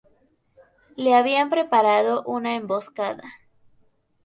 Le habían preparado una emboscada.